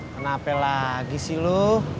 kenapa lagi sih lo